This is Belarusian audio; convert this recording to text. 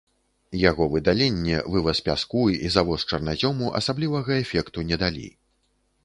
Яго выдаленне, вываз пяску і завоз чарназёму асаблівага эфекту не далі.